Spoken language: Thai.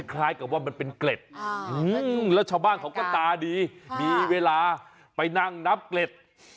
คล้ายกับว่ามันเป็นเกล็ดแล้วชาวบ้านเขาก็ตาดีมีเวลาไปนั่งนับเกล็ด